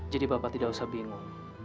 jadi bapak tidak usah bingung